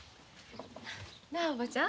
なあおばちゃん。